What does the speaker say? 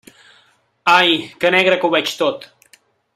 Ai, que negre que ho veig tot!